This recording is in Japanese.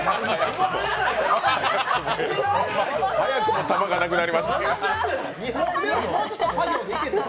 早くも弾がなくなりました。